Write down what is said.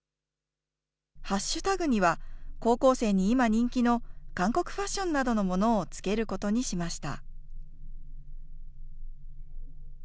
ハッシュタグには、高校生に今人気の韓国ファッションなどのものをつけることにしました。